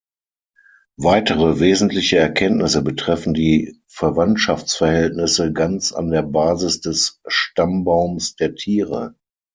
Weitere wesentliche Erkenntnisse betreffen die Verwandtschaftsverhältnisse ganz an der Basis des Stammbaums der Tiere.